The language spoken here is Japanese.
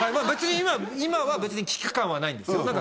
別に今は今は別に危機感はないんですよ